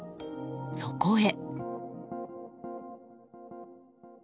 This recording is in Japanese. そこへ。